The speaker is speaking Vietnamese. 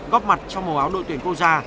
góp mặt trong màu áo đội tuyển quốc gia